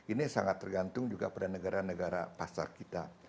ini sangat tergantung juga pada negara negara pasar kita